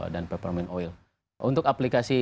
dan peppermint oil untuk aplikasi